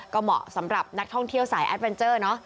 ก็เหมาะสำหรับนักท่องเที่ยวสายแอดเวนเจอร์เนาะ